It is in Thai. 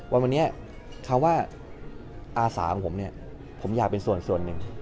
วันนี้คำว่าอาสาของผมเนี่ยผมอยากเป็นส่วนหนึ่ง